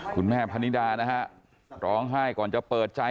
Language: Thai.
พนิดานะฮะร้องไห้ก่อนจะเปิดใจ